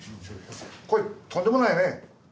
これとんでもないね。